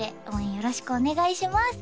よろしくお願いします